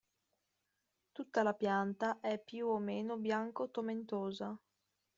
Tutta la pianta è più o meno bianco-tomentosa.